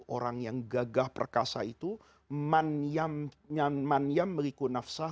orang yang gagah perkasa itu